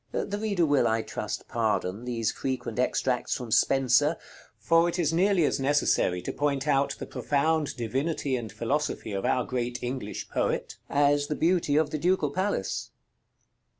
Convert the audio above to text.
The reader will, I trust, pardon these frequent extracts from Spenser, for it is nearly as necessary to point out the profound divinity and philosophy of our great English poet, as the beauty of the Ducal Palace.